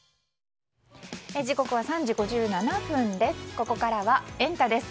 ここからはエンタ！です。